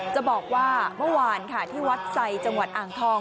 จะบอกว่าเมื่อวานค่ะที่วัดไซจังหวัดอ่างทอง